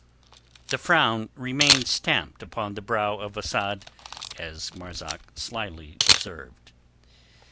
The frown remained stamped upon the brow of Asad, as Marzak slyly observed.